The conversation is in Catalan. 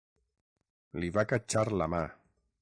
Li va catxar la mà.